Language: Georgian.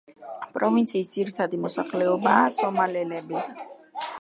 პროვინციის ძირითადი მოსახლეობაა სომალელები.